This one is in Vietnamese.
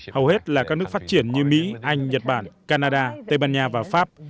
hầu hết là các nước phát triển như mỹ anh nhật bản canada tây ban nha và pháp